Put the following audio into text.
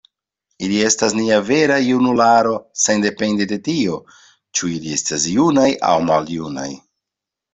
“Ili estas nia vera junularo sendepende de tio, ĉu ili estas junaj aŭ maljunaj.